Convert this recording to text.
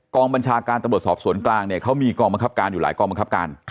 บัญชาการตำรวจสอบสวนกลางเนี่ยเขามีกองบังคับการอยู่หลายกองบังคับการ